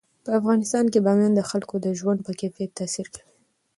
په افغانستان کې بامیان د خلکو د ژوند په کیفیت تاثیر کوي.